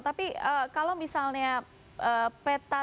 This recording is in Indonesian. tapi kalau misalnya peta